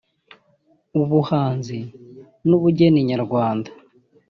ubuhanzi n’ubugeni nyarwanda